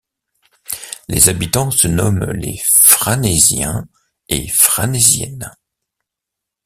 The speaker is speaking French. Les habitants se nomment les Franeysiens et Franeysiennes.